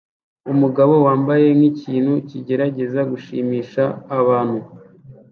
Umugabo wambaye nkikintu kigerageza gushimisha abantu